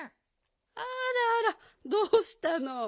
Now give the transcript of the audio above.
あらあらどうしたの？